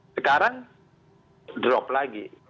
sekarang drop lagi